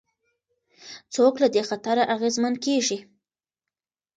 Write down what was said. څوک له دې خطره اغېزمن کېږي؟